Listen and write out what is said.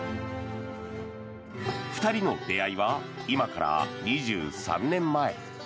２人の出会いは今から２３年前。